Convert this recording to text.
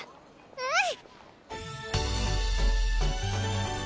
うん！